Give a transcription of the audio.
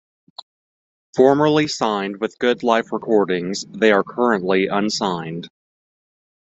Formerly signed with Good Life Recordings, they are currently unsigned.